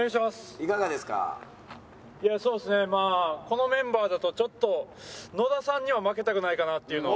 いやそうですねまあこのメンバーだとちょっと野田さんには負けたくないかなっていうのは。